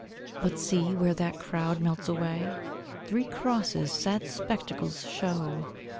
But see! where that crowd melts away, Three crosses sad spectacles show!